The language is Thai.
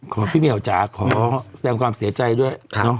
ขอแสดงความเสียใจด้วย